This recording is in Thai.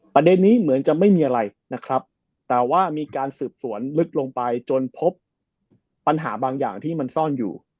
ประเด็นนี้เหมือนจะไม่มีอะไรนะครับแต่ว่ามีการสืบสวนลึกลงไปจนพบปัญหาบางอย่างที่มันซ่อนอยู่